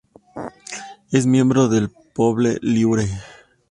Es miembro de Poble Lliure.